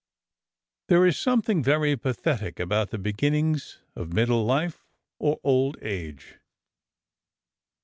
There is something very pathetic about the beginnings of middle life or old age.